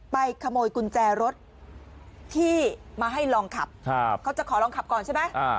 ขโมยกุญแจรถที่มาให้ลองขับเขาจะขอลองขับก่อนใช่ไหม